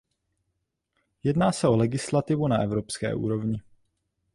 Jedná se o legislativu na evropské úrovni.